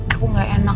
aku gak enak